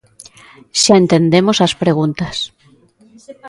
Xa entendemos as preguntas.